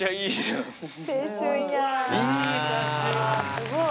すごい。